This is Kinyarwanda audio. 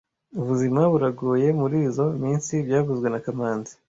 Ubuzima buragoye murizoi minsi byavuzwe na kamanzi